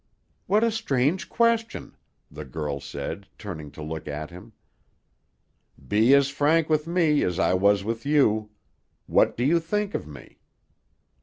"What a strange question!" the girl said, turning to look at him. "Be as frank with me as I was with you. What do you think of me?"